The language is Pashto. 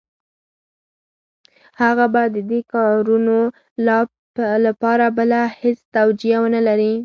هغوی به د دې کارونو لپاره بله هېڅ توجیه ونه لري.